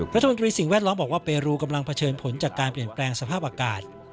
สิ่งแวดล้อมบอกว่าเปรูกำลังเผชิญผลจากการเปลี่ยนแปลงสภาพอากาศ